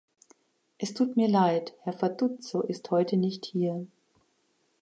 Es tut mir Leid, Herr Fatuzzo ist heute nicht hier.